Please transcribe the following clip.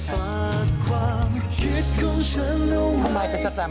ทำไมเป็นสแตม